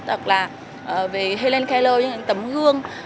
hoặc là về helen keller những tấm gương